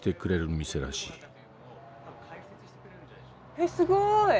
えっすごい！